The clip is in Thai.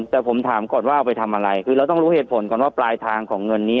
แต่ผมถามก่อนว่าเอาไปทำอะไรคือเราต้องรู้เหตุผลก่อนว่าปลายทางของเงินนี้